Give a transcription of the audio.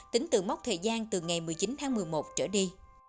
tính từ mốc thời gian từ ngày một mươi chín tháng một mươi một trở đi